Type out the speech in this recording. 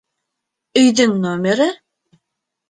Өйҙөң номеры..